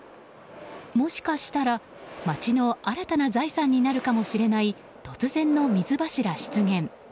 もしかしたら、街の新たな財産になるかもしれない突然の水柱出現。